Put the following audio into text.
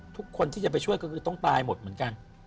ทุกคนที่จะไปช่วยก็คือต้องตายหมดเหมือนกัน